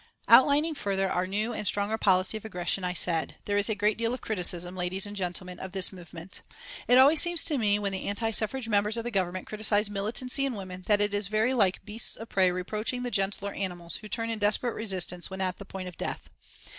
'" Outlining further our new and stronger policy of aggression, I said: "There is a great deal of criticism, ladies and gentlemen, of this movement. It always seems to me when the anti suffrage members of the Government criticise militancy in women that it is very like beasts of prey reproaching the gentler animals who turn in desperate resistance when at the point of death.